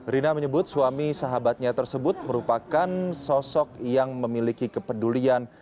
rina menyebut suami sahabatnya tersebut merupakan sosok yang memiliki kepedulian